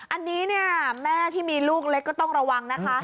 อันนี้เนี่ยแม่ที่มีลูกเล็กก็ต้องระวังนะคะ